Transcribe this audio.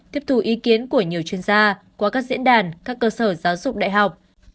tiếp thù ý kiến của nhiều chuyên gia qua các diễn đàn các cơ sở giáo dục đại học